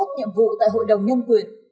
nhiệm vụ tại hội đồng nhân quyền